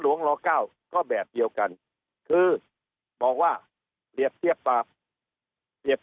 ลเก้าก็แบบเดียวกันคือบอกว่าเปรียบเทียบปรับเปรียบ